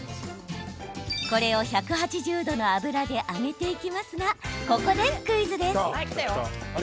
これを１８０度の油で揚げていきますがここでクイズです。